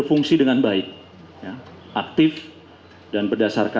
ini dengan peredam